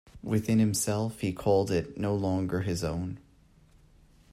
Within himself he called it no longer his own.